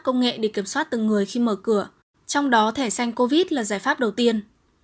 công nghệ để kiểm soát từng người khi mở cửa trong đó thẻ xanh covid là giải pháp đầu tiên